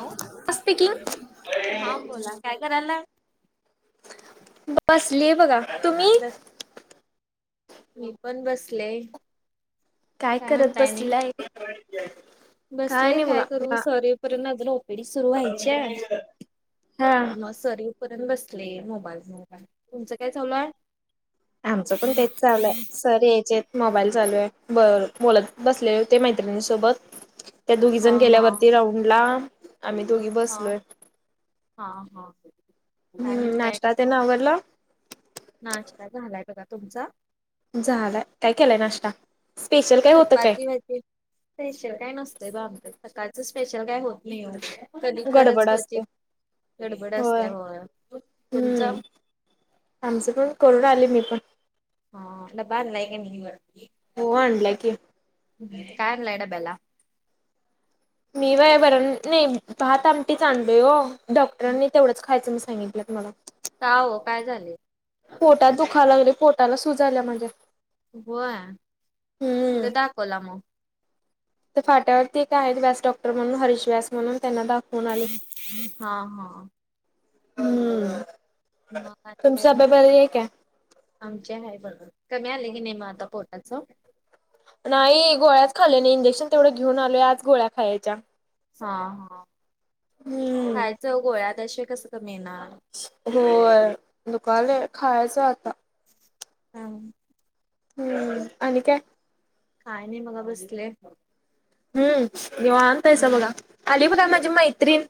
हो स्पीकिंग हा बोला काय करायला बसली बघा तुम्ही बस मी पण बसले काय करत बसलंय बसलेय काय करू सरेपर्यंत अजून ओपीडी सुरू व्हायची हा मग सरीवपर्यंत बसले मोबाईल मोबाल तुमचं काय चालू आहे आमचं पण तेच चाललंय सरी याचेत मोबाईल चालू आहे बर बोलत बसले होते मैत्रिणीसोबत त्या दोघी हा जण हा गेल्यावरती राऊंड ला आम्ही दोघी हा बसलोय हा हा काय त्यां नागला नाश्ता झालाय बघा तुमचा झालं काय केलंय नाश्ता स्पेशल काय होतं काय चपाती भाजे स्पेशल काय नसतंय बा आमच्या सकाळचं स्पेशल काय होत नाही वरे कधी तररच गडबड असते क्वचित गडबड होय असल्यामु तुमचा हम्म आमचं पण करून आले मी पण हा बा नाही का हो आणला की हम्म कार लाईड बेला मी व बर नाही पाात आमटीच आणलय डॉक्टरांनी तेवढं खयचं मी सांगितलं तु मला हो काय झाले पोटात दुखाव लागले पोटाला सुूजाल्या म्हणजे हो खुटे हम्म. दालामो तर फाट्यावरती काय आहेत व्यास डॉक्टर म्हून हरीश व्यास म्हणून त्यांना दाखव होणा हा हा हम्म मग आणि काय तुमचा नाही. अभ्याप आहे काय आमचे आहे बरोबर कमी आले की नाहीेमा आता पोटाचं नाही गोळ्यात खाल् नाही इंजेक्शन तेवढं घेऊन आलो आज गोळ्या खायच्या हां हा हम्म कायच गोळ्यातशय कस कमी येणार होय दुकाल खायचं आता हा ह्म आणि काय काय नाही मग बसले हम्म निव अतायस हम्म. बघ आली बघा माझी मैत्रीिण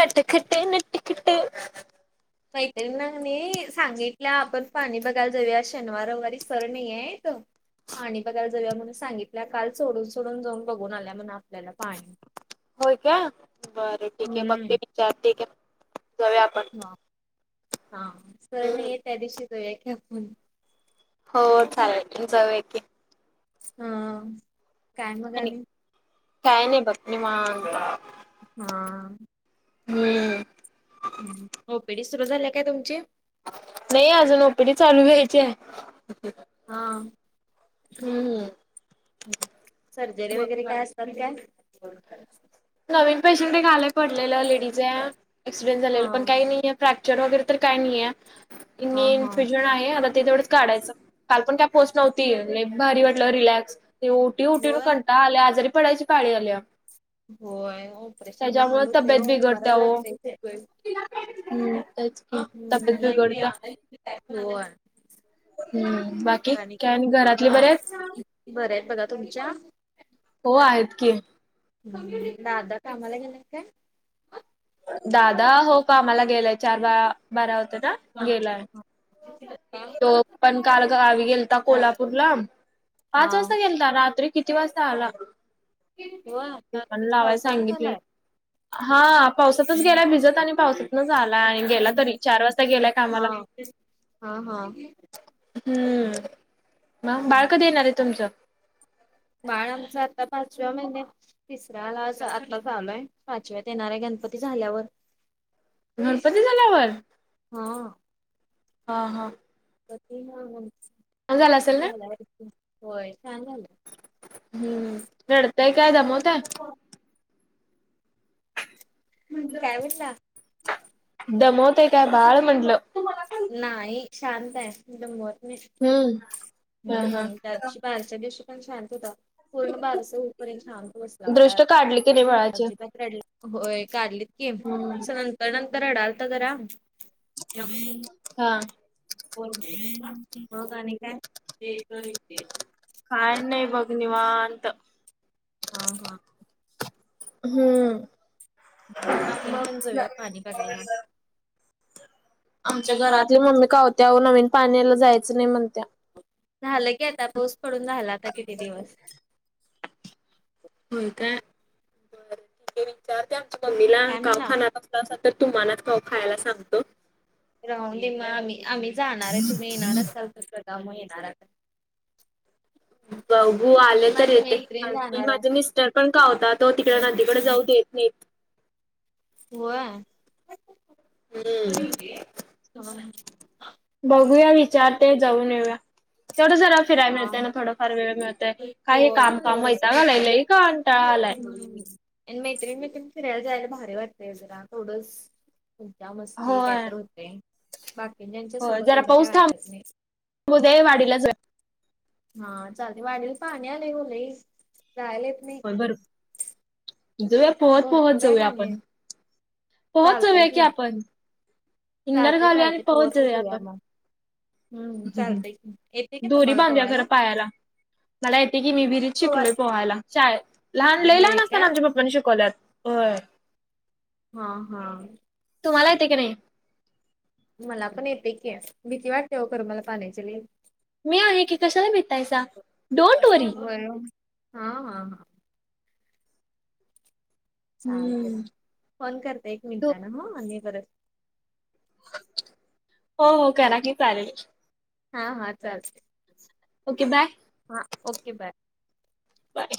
नट खट्टे नट खट्टे काहीतरी ना नाही सांगितलं आपण पाणी बघायला जाऊया शनिवार रववारी सर नाही आहेेत पाणी बघाय जऊया म्हणून सांगितल्या काल सोडून सोडून जाऊन बघून आल्या म्हण आपल्याला पाणी होय का बरं ठीक आहे बघ ते हम्म विचारतेठीक आहे जाऊ आपण ह हा सर हम्म नाहीय त्या दिवशीच आहे की आपण हो चालेल जाऊ की ह काय्म आणि गणी काय नाही बत्नी मता हा हमम ओपीडी सुरू झाल्या काय तुमची नाही अजून ओपीडी चालू घ्यायची आहे हा हम्म सर्जरी वगैरे काय अस तर त्याय नवीन पैशंट घालायक पडलेलं लेडीज आहे ऍक्सिडेंट हा झालेलं पण काही नाहीय फ्रॅक्चर वगैरे तर काय नाहीे हा हा. इन्फ्युजन आहे आता ते तेथवढंच काढायचं काल पण का पोस्ट नव्हती लाक भारी वाटलं रिलॅक्स उठठी होय उठठी आल्या आजारी पडायची पाळी आल्या होय ऑपरेशन ला त्याच्यामुळे हालू तब्येत तेव बरा बिघडत्या ओ लागते हम्म तेच ह की तब्येत नाही बिघडत्या नाही हम्म बाकी काय आणि घरातले का बरे आहेत? बरं आहे बघा तुमच्या हो आहेत की म दादा कामाला गेणार काय दादा हो का आम्हाला गेलाय चार ब बारा होत ना गेलाय तो पण कालवी गेलता कोल्हापूर ला हा. पाच वाजता गेल रात्री किती वाजता आला हो दुकान लावाय पावसाातच झा सांगितले. आलाय हा पावसातच गेलाय भिजत आणि पावसातूनच आलाय आणि गेला तरी चार वाजता गेलाय हा कामाला हा हा हम्म मग बाळकधी येणार आहे तुमचं बाळ आमचा आता पाचव्या महिन्या तिसऱ्याला आतला झालोय पाचव्यात येणार आहे गणपती झाल्यावर गणपती झाल्यावर हा हा हा असेल ना? झाला होय सांग झालं हम्म रडताय काय दमत म्हणज प्रायवटला दमवतय काय बाळ म्हंटलं नाही ह शांत आहे बत नाही हम्म हा हा हम्म त्याशी बाारच्या दिवशी पण ल होता पूर्ण बारश होपर्यंत शांत बसला होता काढले कने वळाचे होय काढलीतम हम्म. तरणंतरा डालतातरा हा हो म का ते काय नाही बघ निवनत हा हा हम्म आपण पण जाऊया पाणी भरायला. आमच्या घरातली मम्मी कावत्या नवीन पाण्याला जायचं नाही म्हणत. झालं की आता पाऊस पडून झाला आता किती दिवस. हो काय बरं ठीक आहे विचारते तु मला काय म्हणला? कावखाना. तर तुम्हाला खा खायला सांगतो. राहून दे मग आम्ही आम्ही जाणार आहे तुम्ही येणार असाल तसं का म येणार आ. बघू आले ही तर माझी येते मैत्रीण जाणार आहे. माझा मिस्टर पण खावं होता तो तिकड नादीकडे जाऊ द येत. नीट हो हम्म. बघूया विचारते जाऊन येऊया तेवढं जरा. फिराय हा मिळतय ना थोडफार वेळ मिळतय काही हे होय कामकाम तेवढंच होयतां का ठीक आहे. लैलई का अंटळालाय. आणि मैत्रिण मैत्रि फियला जायला भारी वाटततेय जरा थोडंच. तुमच्या मस्ती काय होय तर होते बाकी ज्यांच्या सोबत एवढं काय वाटच नाही. उद्या ये वाडी ला जाऊया. हा चालते वाडल पाणी आलेय गले राहालेेत नाही. बरोबर जाऊया पोहत पोहत भरपूर आहे जाऊया पाणी. आपण. पोहोत जाऊया की आपण इंदर चालते घालूया आणि चालते पोहोच पोहतच जाऊया आपण. मग हम्म ह् चालतय की येते का दोरी तुम्हाला बांध्या पवायला खरं पायाला. मला येते की मी विहिरीत शिकलोय पोहायला. शाय लहान लई होय लहान का असताना आमच्या पप्पांनी शिकवल्यात हो. हा हा तुम्हाला येते की नाही? मला पण येते की भीती वाटते हो कर मला पाण्याची लई मी आहे की कशाला भेटायचा. बर हा हा हा चालते हम्म फोन करते एक मिनट ना हो आणि परत. हो हो करा की चालेल. हा हा चालते. Okay bye. हा ओके बाय. बाय.